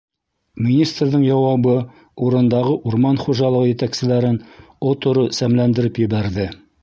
Министрҙың яуабы урындағы урман хужалығы етәкселәрен оторо сәмләндереп ебәрҙе.